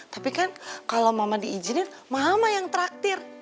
tapi kan kalau mama diizinin mama yang traktir